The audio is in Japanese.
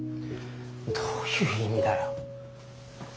どういう意味だよ。